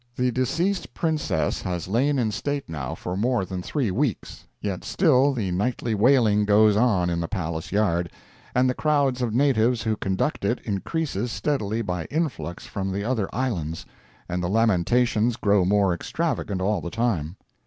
The deceased Princess has lain in state now for more than three weeks—yet still the nightly wailing goes on in the palace yard, and the crowds of natives who conduct it increases steadily by influx from the other islands, and the lamentations grow more extravagant all the time.